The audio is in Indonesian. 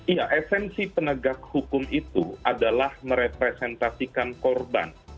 iya esensi penegak hukum itu adalah merepresentasikan korban